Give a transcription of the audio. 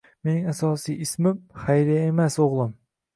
— Mening asosiy ismim Xayriya emas, o'g'lim.